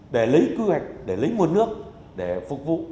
để lấy quy hoạch để lấy nguồn nước để phục vụ